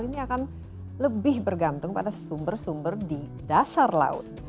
ini akan lebih bergantung pada sumber sumber di dasar laut